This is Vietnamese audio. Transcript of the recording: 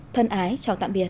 thân ái chào tạm biệt